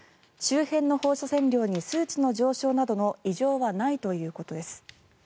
周辺の放射線量に数値の上昇などの異常はないということです。